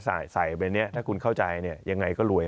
ใส่ใบนี้ถ้าคุณเข้าใจเนี่ยยังไงก็รวย